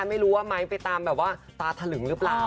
ไม่รู้ว่าไม้ไปตามแบบว่าตาถลึงหรือเปล่า